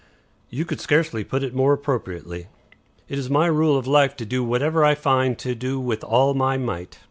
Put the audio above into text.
"You could scarcely put it more appropriately. It is my rule of life to do whatever I find to do with all my might.